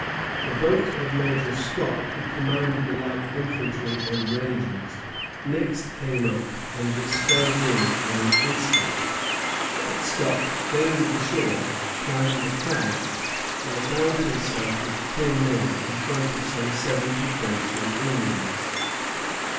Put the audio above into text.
The boat of Major Scott, who commanded the light infantry and rangers, next came up, and was stove in an instant; but Scott gained the shore, climbed the crags, and found himself with ten men in front of some seventy French and Indians.